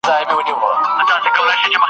بیا به ګل د ارغوان وي ته به یې او زه به نه یم ,